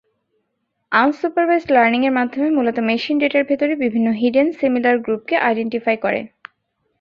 Unsupervised learning এর মাধ্যমে মূলত মেশিন ডেটার ভেতরে বিভিন্ন হিডেন সিমিলার গ্রুপকে আইডেন্টিফাই করে।